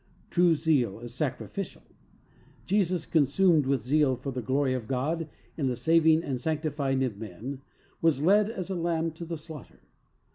True zeal is sacrificial. Jesus, consumed with zeal for the glory of God in the sav ing and sanctifying of men, "was led as a lamb to the slaughter."